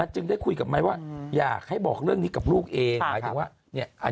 จึงได้คุยกับไม้ว่าอยากให้บอกเรื่องนี้กับลูกเอง